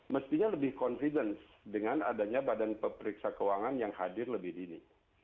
mestinya lebih confidence dengan adanya badan pemeriksa keuangan yang hadir lebih dini